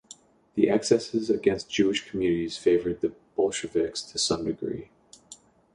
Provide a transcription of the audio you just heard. The excesses against Jewish communities favored the Bolsheviks to some degree.